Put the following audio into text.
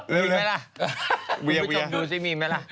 มีมั้ยล่ะเวียเวียดูดูดูสิมีมั้ยล่ะ